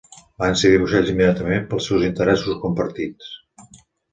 Van ser dibuixats immediatament pels seus interessos compartits.